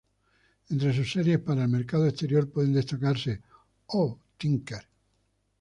Entre sus series para el mercado exterior pueden destacarse "Oh, Tinker!